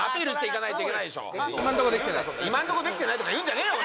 「今んとこできてない」とか言うんじゃねえよ